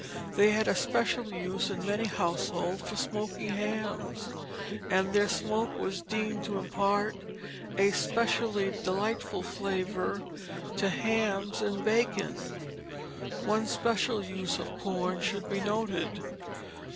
They had a special use in many households for smoking hams; and their smoke was deemed to impart a specially delightful flavor to hams and bacon. One special use of corn should be noted.